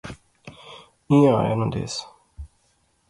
ایہھاں آیا ناں دیس